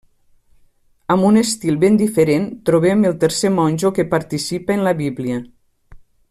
Amb un estil ben diferent, trobem el tercer monjo que participa en la Bíblia.